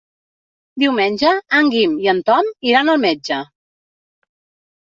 Diumenge en Guim i en Tom iran al metge.